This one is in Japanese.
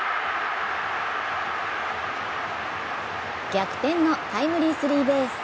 逆転のタイムリースリーベース。